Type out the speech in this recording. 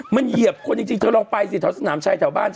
มันเหยียบคนจริงเธอลองไปสิแถวสนามชัยแถวบ้านเธอ